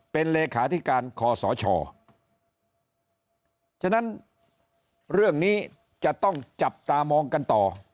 เป็นเลขาธิการคอสชฉะนั้นเรื่องนี้จะต้องจับตามองกันต่อ